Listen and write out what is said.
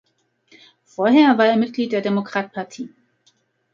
Vorher war er Mitglied der Demokrat Parti.